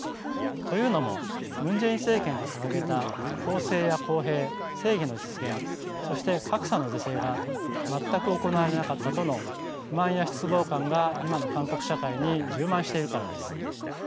というのもムン・ジェイン政権が掲げた公正や公平正義の実現そして格差の是正が全く行われなかったとの不満や失望感が今の韓国社会に充満しているからです。